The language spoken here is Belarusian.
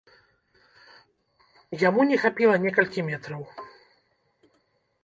Яму не хапіла некалькі метраў.